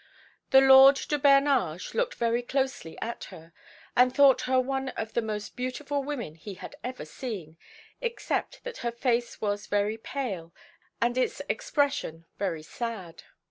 The Lord de Bernage looked very closely at her, and thought her one of the most beautiful women he had ever seen, except that her face was very pale, and its expression very sad.